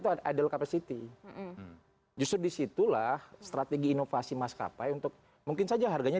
tol ada kapasiti justru disitulah strategi inovasi maskapai untuk mungkin saja harganya